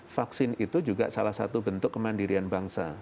vaksin itu juga salah satu bentuk kemandirian bangsa